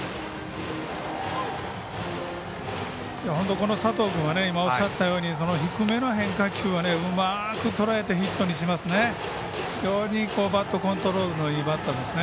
この佐藤君は今、おっしゃったように低めの変化球をうまくとらえてヒットにしますね。